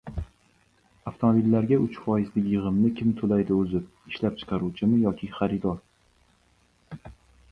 Avtomobillarga uch foizlik yig‘imni kim to‘laydi o‘zi: ishlab chiqaruvchimi yoki xaridor?